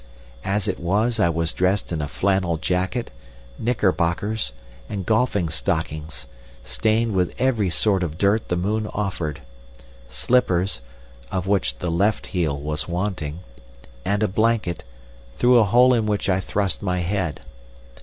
As it was I was dressed in a flannel jacket, knickerbockers, and golfing stockings, stained with every sort of dirt the moon offered, slippers (of which the left heel was wanting), and a blanket, through a hole in which I thrust my head.